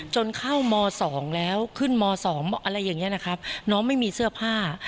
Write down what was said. จนเข้าม๒แล้วขึ้นม๒อะไรอย่างนี้นะครับน้องไม่มีเสื้อผ้า